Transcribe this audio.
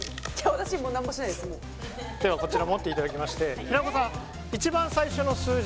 私何もしてないですではこちら持っていただきまして平子さん一番最初の数字